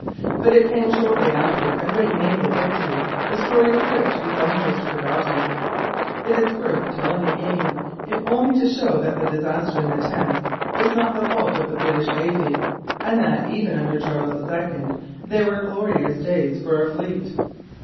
But it came shortly after a great naval victory, the story of which is by most forgotten. It is worth telling again, if only to show that the disaster in the Thames was not the fault of the British navy, and that even under Charles II there were glorious days for our fleet.